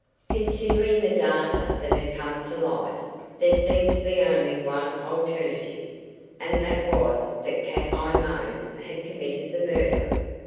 Considering the data that had come to light, there seemed to be only one alternative, and that was that Cat Eye Mose had committed the murder.